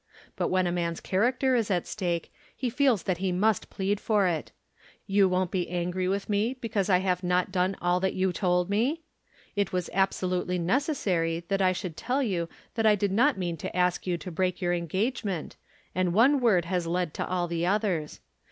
But when a man's character is at stake he feels that he must plead for it. You won't be angry with me because I have not done all that you told me? It was absolutely necessary that I should tell you that I did not mean to ask you to break your engagement, and one word has led to all the others.